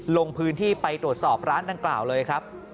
ลงพื้นที่ไปตรวจสอบร้านดังกล่าวเลยครับ